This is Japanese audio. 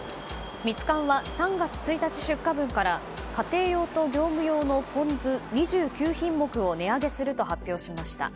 ミツカンは３月１日出荷分から家庭用と業務用のポン酢２９品目を値上げすると発表しました。